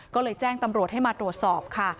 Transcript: ก็เลยแจ้งตำรวจให้มาตรวจสอบค่ะ